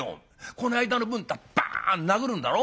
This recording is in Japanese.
『この間の分』ったらバン殴るんだろ？